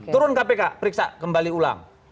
turun kpk periksa kembali ulang